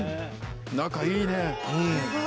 仲いいね。